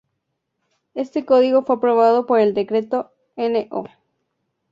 Éste código fue aprobado por el Decreto No.